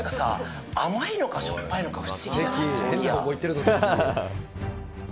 甘いのか、しょっぱいのか、不思議じゃない？